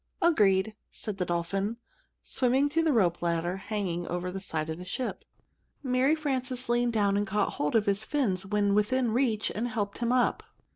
"Agreed!" said the dolphin, swimming to the rope ladder hanging over the side of the ship. Mary Frances leaned down and caught hold of his fins, when within reach, and helped him up.